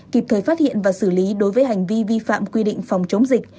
kịp thời phát hiện và xử lý đối với hành vi vi phạm quy định phòng chống dịch